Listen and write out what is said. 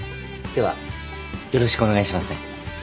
ではよろしくお願いしますね。